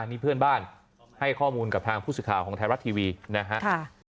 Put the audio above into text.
นี่เพื่อนบ้านให้ข้อมูลกับทางผู้สื่อข่าวของไทยรัฐทีวีนะครับ